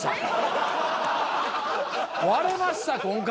割れました今回。